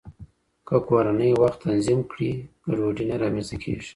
که کورنۍ وخت تنظیم کړي، ګډوډي نه رامنځته کيږي.